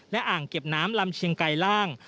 และอ่างเก็บน้ำลำเชียงไกรล่าง